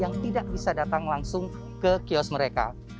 yang tidak bisa datang langsung ke kios mereka